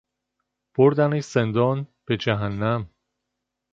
بردنش زندان؟ به جهنم!